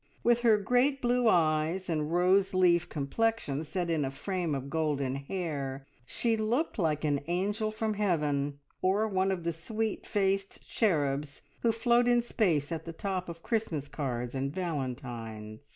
With her great blue eyes and rose leaf complexion set in a frame of golden hair, she looked like an angel from heaven, or one of the sweet faced cherubs who float in space at the top of Christmas cards and valentines.